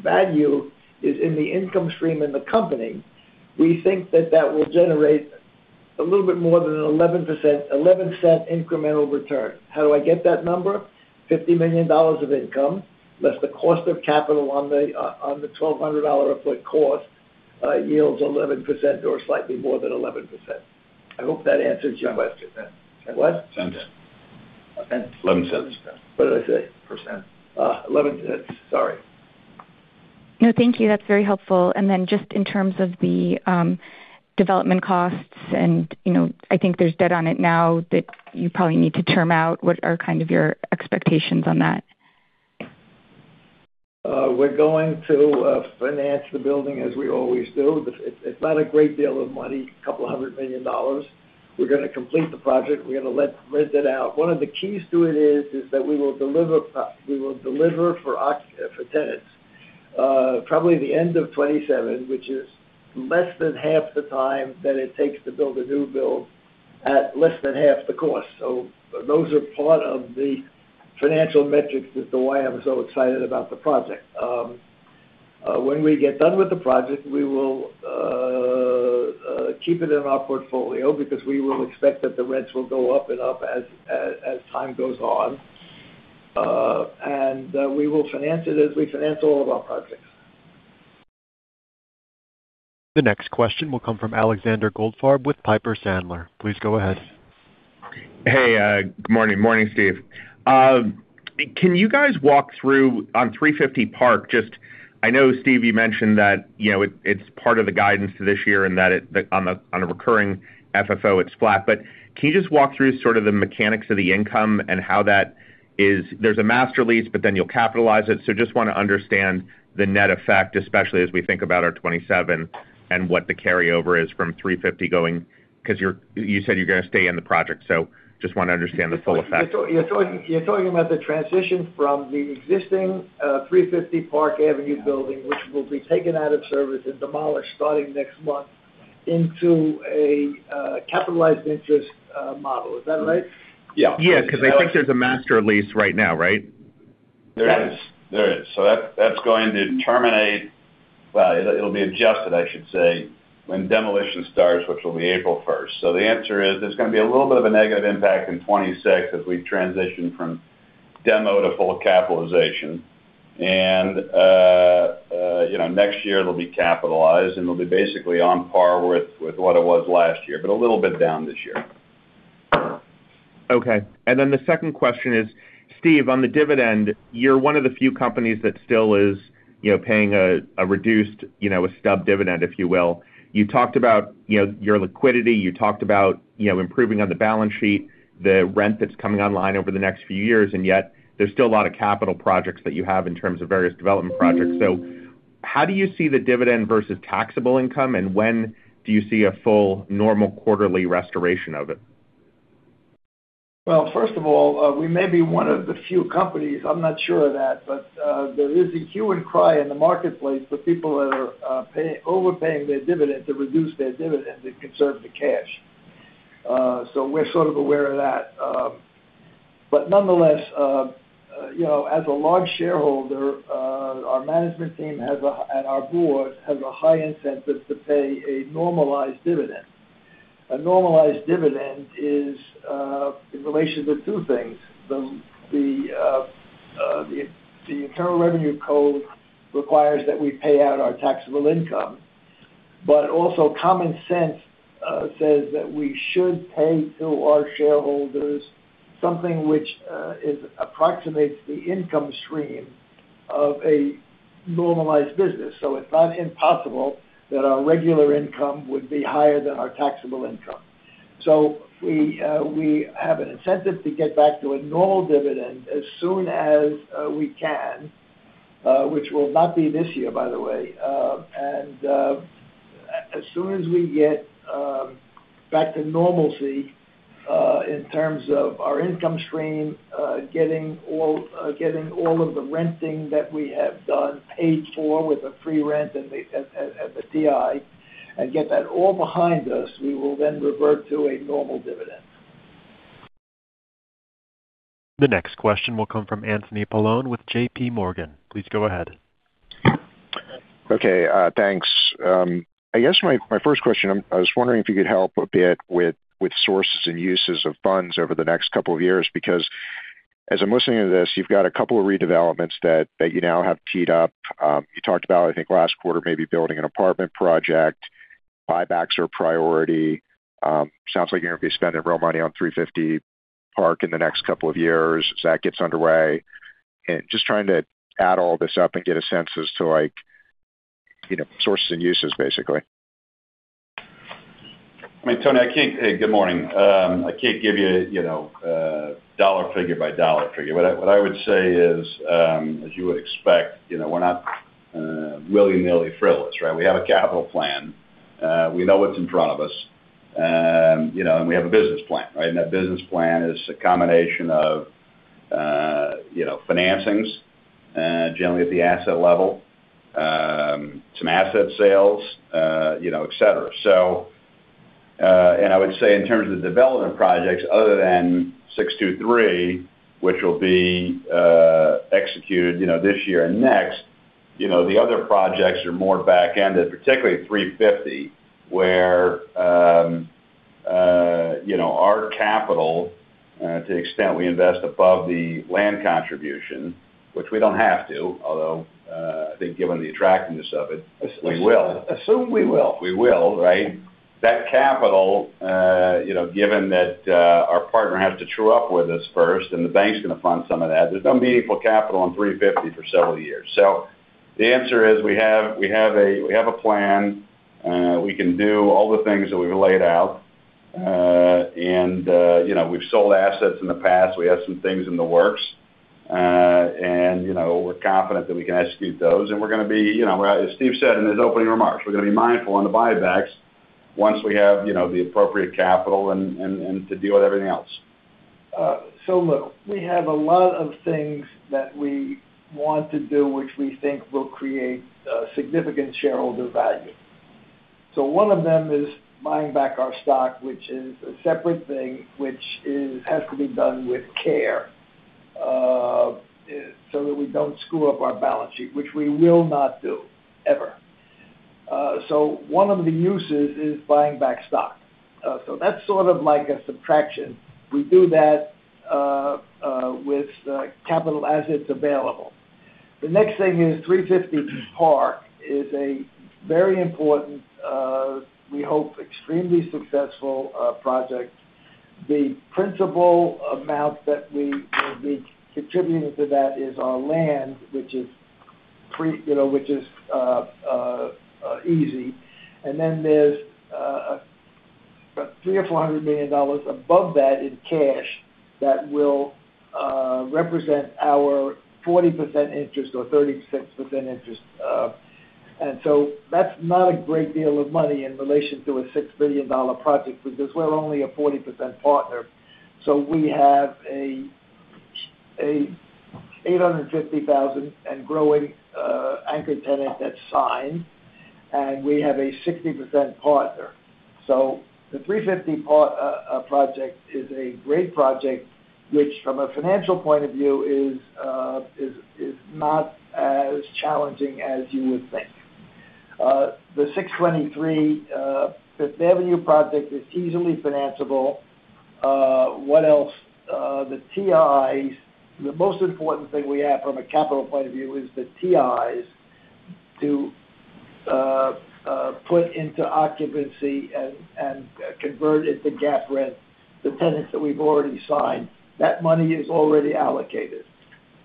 value is in the income stream in the company, we think that that will generate a little bit more than 11%, $0.11 incremental return. How do I get that number? $50 million of income, less the cost of capital on the, on the $1,200 a foot cost, yields 11% or slightly more than 11%. I hope that answers your question. What? $0.11. What did I say? Percent. $0.11. Sorry. No, thank you. That's very helpful. And then just in terms of the development costs, and, you know, I think there's debt on it now that you probably need to term out. What are kind of your expectations on that? We're going to finance the building as we always do. It's not a great deal of money, $200 million. We're gonna complete the project. We're gonna rent it out. One of the keys to it is that we will deliver for tenants probably the end of 2027, which is less than half the time than it takes to build a new build at less than half the cost. So those are part of the financial metrics as to why I'm so excited about the project. When we get done with the project, we will keep it in our portfolio because we will expect that the rents will go up and up as time goes on. And we will finance it as we finance all of our projects. The next question will come from Alexander Goldfarb with Piper Sandler. Please go ahead. Hey, good morning. Morning, Steve. Can you guys walk through, on 350 Park Avenue, just. I know, Steve, you mentioned that, you know, it, it's part of the guidance to this year, and that it, on the, on a recurring FFO, it's flat. But can you just walk through sort of the mechanics of the income and how that is. There's a master lease, but then you'll capitalize it. So just wanna understand the net effect, especially as we think about our 2027, and what the carryover is from 350 Park Avenue going, because you're. You said you're gonna stay in the project, so just wanna understand the full effect. You're talking, you're talking about the transition from the existing 350 Park Avenue building, which will be taken out of service and demolished starting next month, into a capitalized interest model. Is that right? Yeah. Yeah, because I think there's a master lease right now, right? There is. There is. So that, that's going to terminate, it'll be adjusted, I should say, when demolition starts, which will be April first. So the answer is, there's gonna be a little bit of a negative impact in 2026 as we transition from demo to full capitalization. And, you know, next year it'll be capitalized, and it'll be basically on par with what it was last year, but a little bit down this year. Okay. Then the second question is, Steve, on the dividend, you're one of the few companies that still is, you know, paying a, a reduced, you know, a stubbed dividend, if you will. You talked about, you know, your liquidity, you talked about, you know, improving on the balance sheet, the rent that's coming online over the next few years, and yet there's still a lot of capital projects that you have in terms of various development projects. So how do you see the dividend versus taxable income, and when do you see a full normal quarterly restoration of it? Well, first of all, we may be one of the few companies, I'm not sure of that, but there is a hue and cry in the marketplace for people that are overpaying their dividend to reduce their dividend and conserve the cash. So we're sort of aware of that. But nonetheless, you know, as a large shareholder, our management team has a, and our board has a high incentive to pay a normalized dividend. A normalized dividend is in relation to two things: the Internal Revenue Code requires that we pay out our taxable income, but also common sense says that we should pay to our shareholders something which is approximates the income stream of a normalized business. So it's not impossible that our regular income would be higher than our taxable income. So we have an incentive to get back to a normal dividend as soon as we can, which will not be this year, by the way. And as soon as we get back to normalcy in terms of our income stream, getting all of the renting that we have done paid for with a free rent and the TI, and get that all behind us, we will then revert to a normal dividend. The next question will come from Anthony Paolone with JPMorgan. Please go ahead. Okay, thanks. I guess my first question, I'm—I was wondering if you could help a bit with sources and uses of funds over the next couple of years, because as I'm listening to this, you've got a couple of redevelopments that you now have teed up. You talked about, I think, last quarter, maybe building an apartment project. Buybacks are a priority. Sounds like you're going to be spending real money on 350 Park in the next couple of years, as that gets underway. And just trying to add all this up and get a sense as to, like, you know, sources and uses, basically. ... I mean, Tony, I can't— Hey, good morning. I can't give you, you know, dollar figure by dollar figure. What I would say is, as you would expect, you know, we're not willy-nilly frivolous, right? We have a capital plan. We know what's in front of us. You know, and we have a business plan, right? And that business plan is a combination of, you know, financings, generally at the asset level, some asset sales, you know, et cetera. So, and I would say in terms of development projects other than 623, which will be executed, you know, this year and next, you know, the other projects are more back-ended, particularly 350, where, you know, our capital to the extent we invest above the land contribution, which we don't have to, although I think given the attractiveness of it, we will. Assume we will. We will, right? That capital, you know, given that our partner has to true up with us first, and the bank's gonna fund some of that. There's no meaningful capital in 350 for several years. So the answer is, we have a plan. We can do all the things that we've laid out. And you know, we've sold assets in the past. We have some things in the works. And you know, we're confident that we can execute those. And we're gonna be, you know, as Steve said in his opening remarks, we're gonna be mindful on the buybacks once we have, you know, the appropriate capital and to deal with everything else. So look, we have a lot of things that we want to do, which we think will create significant shareholder value. So one of them is buying back our stock, which is a separate thing, which has to be done with care, so that we don't screw up our balance sheet, which we will not do, ever. So one of the uses is buying back stock. So that's sort of like a subtraction. We do that with capital as it's available. The next thing is 350 Park is a very important, we hope, extremely successful project. The principal amount that we will be contributing to that is our land, which is free, you know, which is easy. And then there's $300 million-$400 million above that in cash that will represent our 40% interest or 36% interest. And so that's not a great deal of money in relation to a $6 billion project, because we're only a 40% partner. So we have a 850,000 and growing anchor tenant that's signed, and we have a 60% partner. So the 350 project is a great project, which from a financial point of view is not as challenging as you would think. The 623 5th Avenue project is easily financeable. What else? The TIs, the most important thing we have from a capital point of view is the TIs to put into occupancy and convert into GAAP rent, the tenants that we've already signed. That money is already allocated.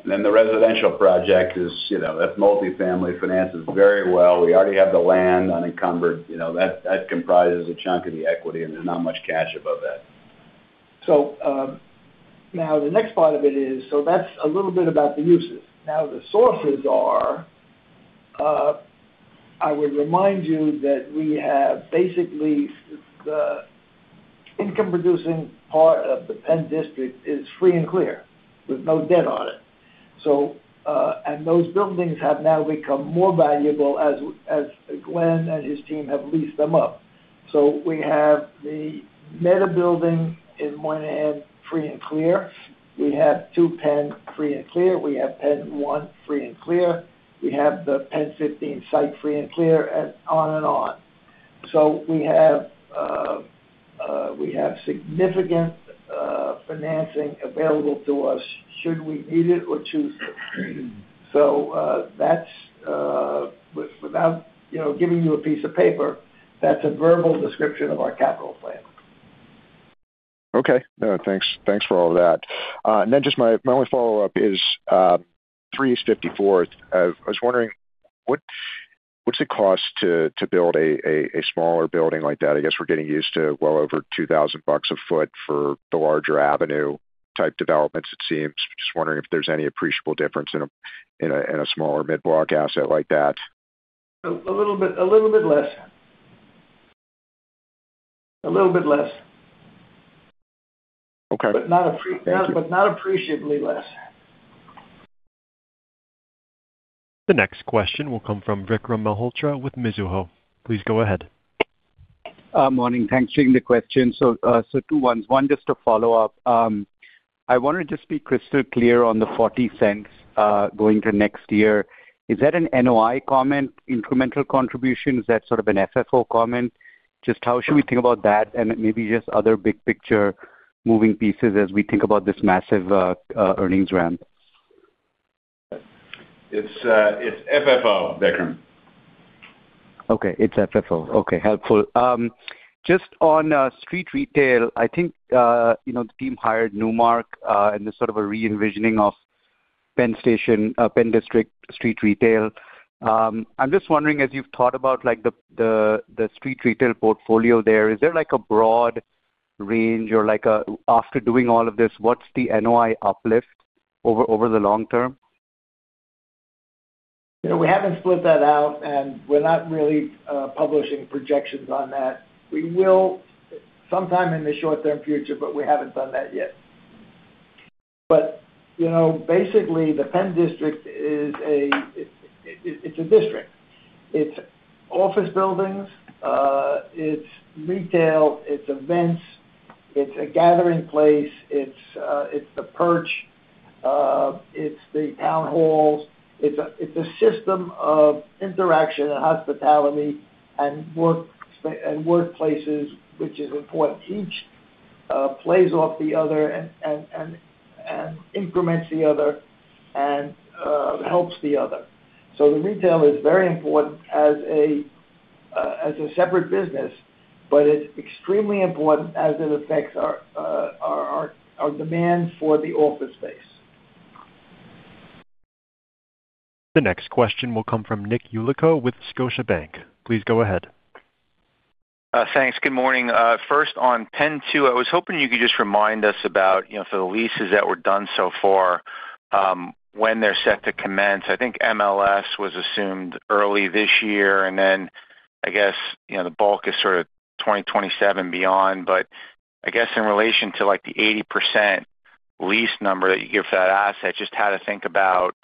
Then the residential project is, you know, that's multifamily, finances very well. We already have the land unencumbered. You know, that comprises a chunk of the equity, and there's not much cash above that. So, now the next part of it is. So that's a little bit about the uses. Now, the sources are. I would remind you that we have basically the income-producing part of THE PENN DISTRICT is free and clear, with no debt on it. So, and those buildings have now become more valuable as Glen and his team have leased them up. So we have the Meta building on one hand, free and clear. We have PENN 2, free and clear. We have PENN 1, free and clear. We have THE PENN 15 site, free and clear, and on and on. So we have significant financing available to us should we need it or choose it. So, that's without you know giving you a piece of paper, that's a verbal description of our capital plan. Okay, thanks. Thanks for all that. Then just my only follow-up is 3 East 54th Street. I was wondering, what's it cost to build a smaller building like that? I guess we're getting used to well over $2,000 a sq ft for the larger avenue-type developments, it seems. Just wondering if there's any appreciable difference in a smaller midblock asset like that. A little bit, a little bit less. A little bit less. Okay. But not appre- Thank you. But not appreciably less. The next question will come from Vikram Malhotra with Mizuho. Please go ahead. Morning. Thanks for taking the question. So, so two ones. One, just to follow up, I wanted to just be crystal clear on the $0.40 going to next year. Is that an NOI comment, incremental contribution? Is that sort of an FFO comment? Just how should we think about that, and maybe just other big picture moving pieces as we think about this massive earnings ramp? It's, it's FFO, Vikram. Okay, it's FFO. Okay, helpful. Just on street retail, I think, you know, the team hired Newmark, and there's sort of a re-envisioning of PENN Station, PENN DISTRICT street retail. I'm just wondering, as you've thought about, like, the street retail portfolio there, is there like a broad range or, after doing all of this, what's the NOI uplift over the long term? You know, we haven't split that out, and we're not really publishing projections on that. We will sometime in the short-term future, but we haven't done that yet. But, you know, basically, THE PENN DISTRICT is a district. It's office buildings, it's retail, it's events, it's a gathering place, it's The Perch, it's the town halls. It's a system of interaction and hospitality and work spaces and workplaces, which is important. Each plays off the other and increments the other and helps the other. So the retail is very important as a separate business, but it's extremely important as it affects our demand for the office space. The next question will come from Nick Yulico with Scotiabank. Please go ahead. Thanks. Good morning. First on PENN 2, I was hoping you could just remind us about, you know, for the leases that were done so far, when they're set to commence. I think MLS was assumed early this year, and then I guess, you know, the bulk is sort of 2027 beyond. But I guess in relation to, like, the 80% lease number that you give for that asset, just how to think about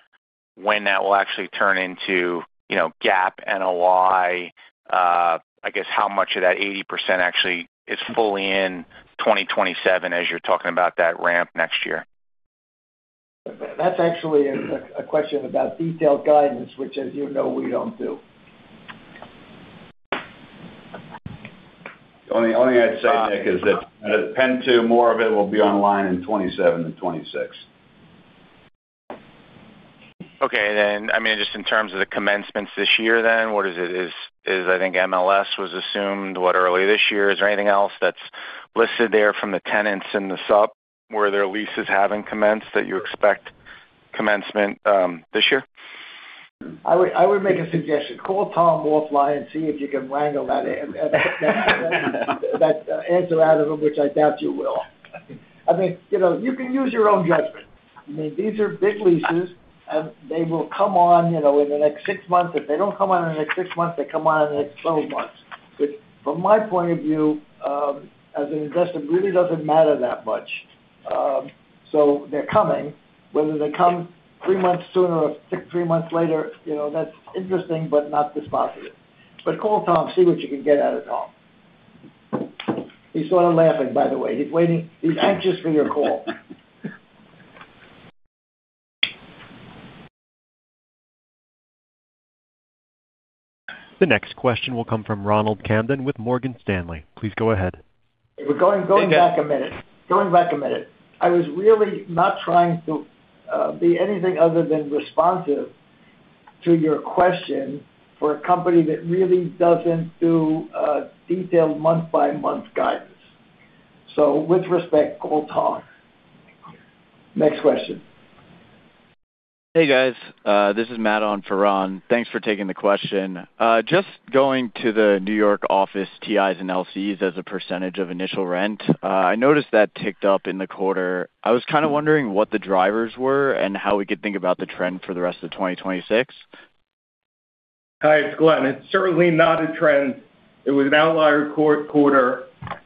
when that will actually turn into, you know, GAAP NOI, I guess how much of that 80% actually is fully in 2027 as you're talking about that ramp next year? That's actually a question about detailed guidance, which, as you know, we don't do. The only, only thing I'd say, Nick, is that PENN 2, more of it will be online in 2027 and 2026. Okay. Then, I mean, just in terms of the commencements this year, then, what is it? Is, is I think MLS was assumed, what, earlier this year. Is there anything else that's listed there from the tenants in the sub, where their leases haven't commenced, that you expect commencement this year? I would, I would make a suggestion. Call Tom and see if you can wrangle that answer out of him, which I doubt you will. I mean, you know, you can use your own judgment. I mean, these are big leases, and they will come on, you know, in the next six months. If they don't come on in the next six months, they come on in the next 12 months. But from my point of view, as an investor, it really doesn't matter that much. So they're coming. Whether they come three months sooner or six, three months later, you know, that's interesting, but not dispositive. But call Tom, see what you can get out of Tom. He's sort of laughing, by the way. He's waiting. He's anxious for your call. The next question will come from Ronald Kamdem with Morgan Stanley. Please go ahead. We're going back a minute. I was really not trying to be anything other than responsive to your question for a company that really doesn't do detailed month-by-month guidance. So with respect, call Tom. Next question. Hey, guys. This is Matt on for Ron. Thanks for taking the question. Just going to the New York office, TIs and LCs as a percentage of initial rent, I noticed that ticked up in the quarter. I was kind of wondering what the drivers were and how we could think about the trend for the rest of 2026. Hi, it's Glen. It's certainly not a trend. It was an outlier quarter.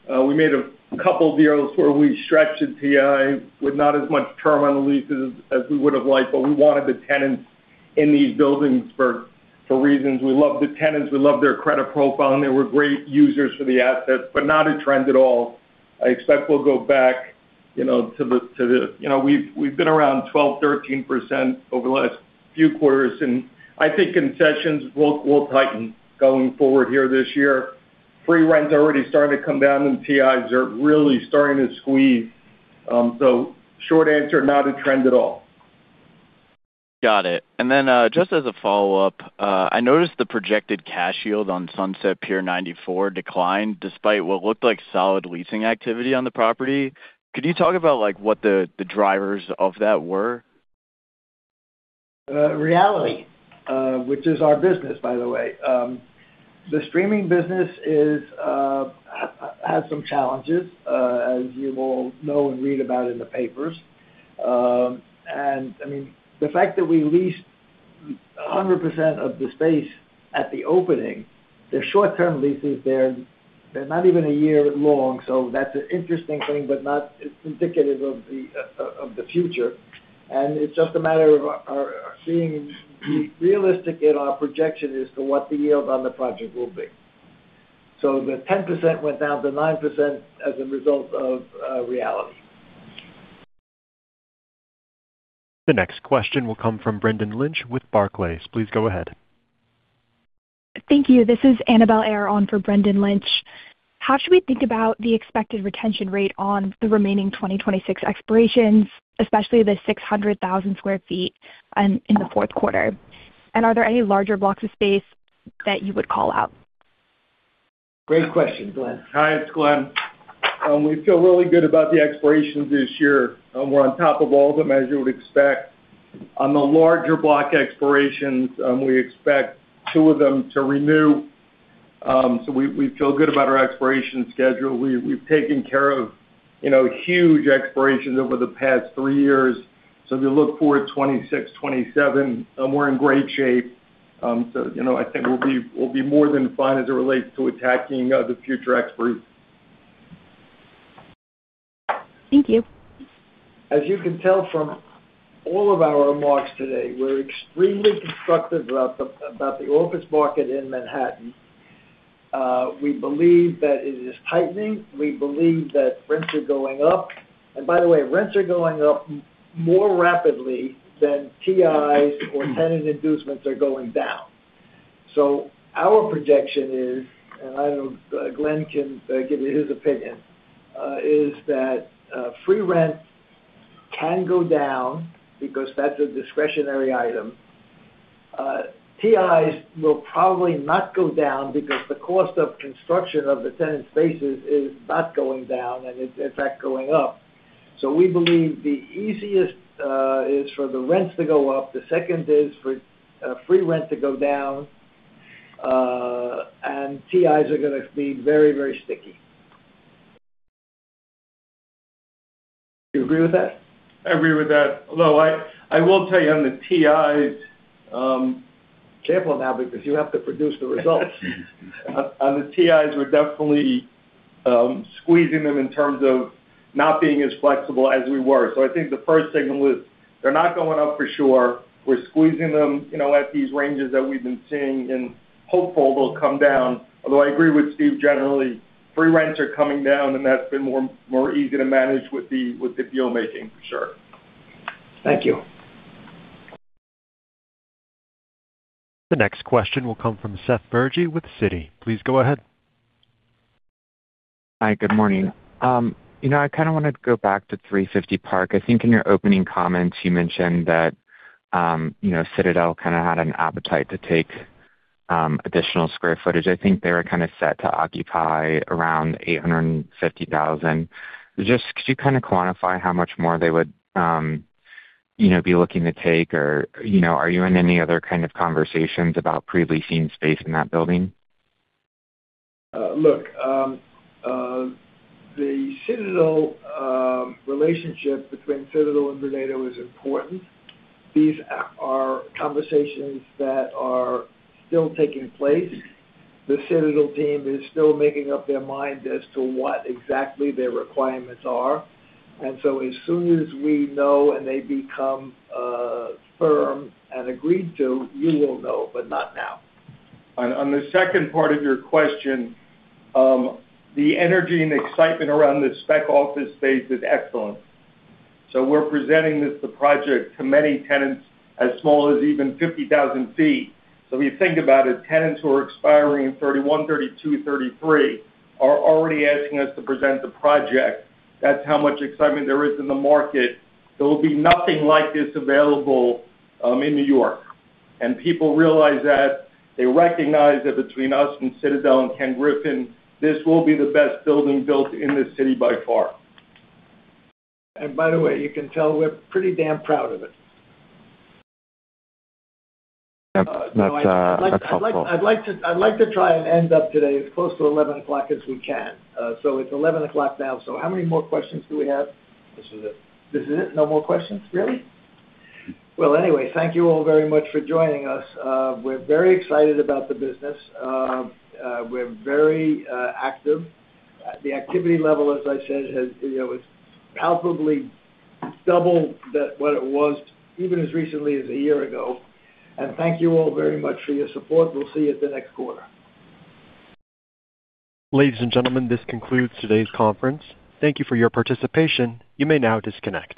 We made a couple of deals where we stretched the TI with not as much term on the leases as we would have liked, but we wanted the tenants in these buildings for, for reasons. We love the tenants, we love their credit profile, and they were great users for the assets, but not a trend at all. I expect we'll go back, you know, to the, to the. You know, we've, we've been around 12%-13% over the last few quarters, and I think concessions will, will tighten going forward here this year. Free rent is already starting to come down, and TIs are really starting to squeeze. So short answer, not a trend at all. Got it. And then, just as a follow-up, I noticed the projected cash yield on Sunset Pier 94 declined, despite what looked like solid leasing activity on the property. Could you talk about, like, what the drivers of that were? Reality, which is our business, by the way. The streaming business is has some challenges, as you all know and read about in the papers. And, I mean, the fact that we leased 100% of the space at the opening, they're short-term leases. They're not even a year long. So that's an interesting thing, but not indicative of the of the future. And it's just a matter of our being realistic in our projection as to what the yield on the project will be. So the 10% went down to 9% as a result of reality. The next question will come from Brendan Lynch with Barclays. Please go ahead. Thank you. This is Annabelle Ayer on for Brendan Lynch. How should we think about the expected retention rate on the remaining 2026 expirations, especially the 600,000 sq ft in the fourth quarter? And are there any larger blocks of space that you would call out? Great question. Glen? Hi, it's Glen. We feel really good about the expirations this year, and we're on top of all of them, as you would expect. On the larger block expirations, we expect two of them to renew. So we feel good about our expiration schedule. We've taken care of, you know, huge expirations over the past three years. So if you look forward, 2026, 2027, we're in great shape. So, you know, I think we'll be more than fine as it relates to attacking the future expiries. Thank you. As you can tell from all of our remarks today, we're extremely constructive about the office market in Manhattan. We believe that it is tightening. We believe that rents are going up. And by the way, rents are going up more rapidly than TIs or tenant inducements are going down. So our projection is, and I know Glen can give you his opinion, is that free rent can go down because that's a discretionary item. TIs will probably not go down because the cost of construction of the tenant spaces is not going down, and it's in fact going up. So we believe the easiest is for the rents to go up. The second is for free rent to go down, and TIs are gonna be very, very sticky. Do you agree with that? I agree with that. Although I will tell you on the TIs, Careful now, because you have to produce the results. On the TIs, we're definitely squeezing them in terms of not being as flexible as we were. So I think the first signal is they're not going up for sure. We're squeezing them, you know, at these ranges that we've been seeing and hopeful they'll come down. Although I agree with Steve, generally, free rents are coming down, and that's been more easy to manage with the deal making, for sure. Thank you. The next question will come from Seth Bergey with Citi. Please go ahead. Hi, good morning. You know, I kinda wanna go back to 350 Park Avenue. I think in your opening comments, you mentioned that, you know, Citadel kinda had an appetite to take additional square footage. I think they were kinda set to occupy around 850,000. Just could you kinda quantify how much more they would, you know, be looking to take? Or, you know, are you in any other kind of conversations about pre-leasing space in that building? Look, the Citadel relationship between Citadel and Vornado is important. These are conversations that are still taking place. The Citadel team is still making up their mind as to what exactly their requirements are. And so, as soon as we know and they become firm and agreed to, you will know, but not now. On the second part of your question, the energy and excitement around the spec office space is excellent. So we're presenting this, the project, to many tenants, as small as even 50,000 sq ft. So if you think about it, tenants who are expiring in 2031, 2032, 2033 are already asking us to present the project. That's how much excitement there is in the market. There will be nothing like this available in New York, and people realize that. They recognize that between us and Citadel and Ken Griffin, this will be the best building built in this city by far. By the way, you know you can tell we're pretty damn proud of it. Yeah, that's, that's helpful. I'd like to, I'd like to try and end up today as close to 11 o'clock as we can. So it's 11 o'clock now. So how many more questions do we have? This is it. This is it? No more questions, really? Well, anyway, thank you all very much for joining us. We're very excited about the business. We're very active. The activity level, as I said, you know, is palpably double that—what it was, even as recently as a year ago. And thank you all very much for your support. We'll see you at the next quarter. Ladies and gentlemen, this concludes today's conference. Thank you for your participation. You may now disconnect.